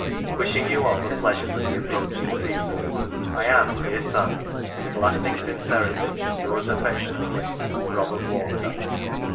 Wishing you all the pleasures of the approaching season, I am, dear Son, with lasting sincerity, yours affectionately, " Robert Walker."